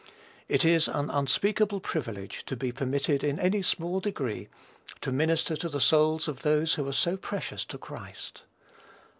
It is an unspeakable privilege to be permitted in any small degree to minister to the souls of those who are so precious to Christ.